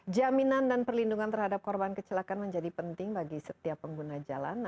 jaminan dan perlindungan terhadap korban kecelakaan menjadi penting bagi setiap pengguna jalan